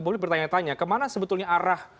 boleh bertanya tanya kemana sebetulnya arah